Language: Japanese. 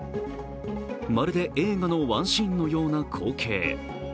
まるで映画のワンシーンのような光景。